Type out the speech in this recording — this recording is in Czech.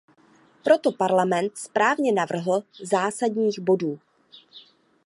Proto Parlament správně navrhl zásadních bodů.